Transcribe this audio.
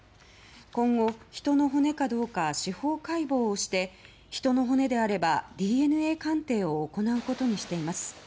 今後、人の骨かどうか司法解剖をして人の骨であればＤＮＡ鑑定を行うことにしています。